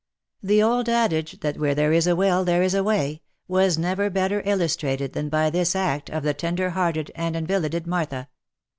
The old adage that u where there is a will, there is a way," was never better illustrated than by this act of the tender hearted and invalided Martha.